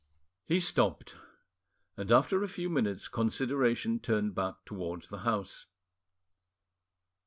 He stopped, and after a few minutes consideration turned back towards the house.